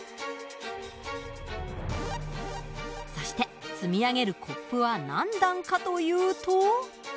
そして積み上げるコップは何段かというと。